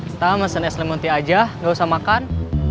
kita mesen es limon teh aja gak usah makan